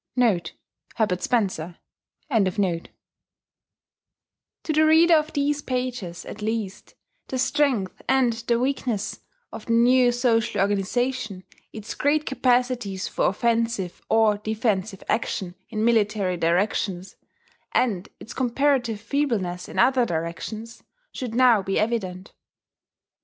* [*Herbert Spencer.] To the reader of these pages, at least, the strength and the weakness of the new social organization its great capacities for offensive or defensive action in military directions, and its comparative feebleness in other directions should now be evident.